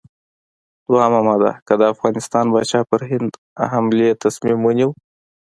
دوهمه ماده: که د افغانستان پاچا پر هند حملې تصمیم ونیو.